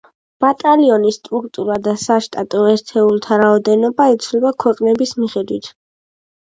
ბატალიონის სტრუქტურა და საშტატო ერთეულთა რაოდენობა იცვლება ქვეყნების მიხედვით.